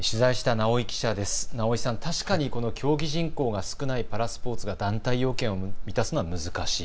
直井さん、確かに競技人口が少ないパラスポーツが団体要件を満たすのは難しい。